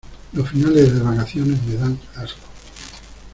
Los finales de vacaciones me dan asco.